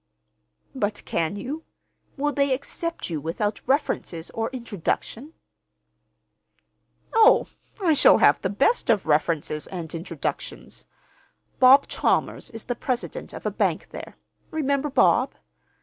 "But can you? Will they accept you without references or introduction?" "Oh, I shall have the best of references and introductions. Bob Chalmers is the president of a bank there. Remember Bob?